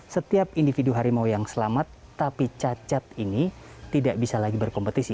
setiap individu harimau yang selamat tapi cacat ini tidak bisa lagi berkompetisi